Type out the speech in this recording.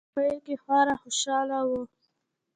هغه په پیل کې خورا خوشحاله و